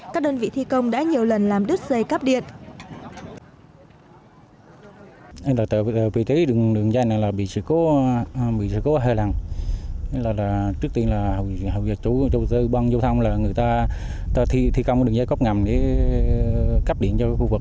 các đơn vị thi công đã nhiều lần làm đứt dây cắp điện